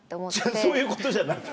違うそういうことじゃなくて。